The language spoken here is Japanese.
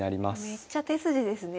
めっちゃ手筋ですね。